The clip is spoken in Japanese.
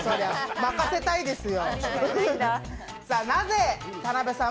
任せたいですよ。